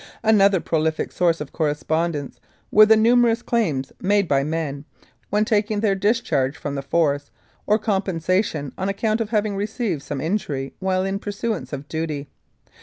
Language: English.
Another prolific source of correspondence were the numerous claims made by men, when taking their dis charge from the Force, for compensation on account of having received some injury while in pursuance of duty.